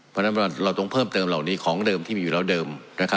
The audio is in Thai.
เพราะฉะนั้นเราต้องเพิ่มเติมเหล่านี้ของเดิมที่มีอยู่แล้วเดิม